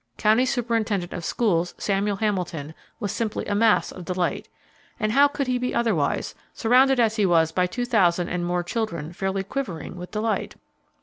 County Superintendent of Schools Samuel Hamilton was simply a mass of delight. And how could he be otherwise, surrounded as he was by 2,000 and more children fairly quivering with delight?